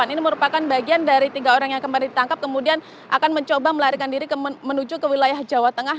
ini merupakan bagian dari tiga orang yang kemarin ditangkap kemudian akan mencoba melarikan diri menuju ke wilayah jawa tengah